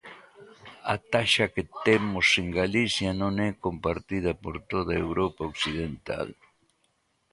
A taxa que temos en Galicia non é compartida por toda Europa occidental.